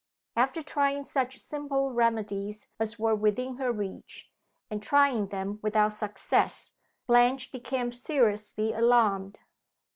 After trying such simple remedies as were within her reach, and trying them without success, Blanche became seriously alarmed.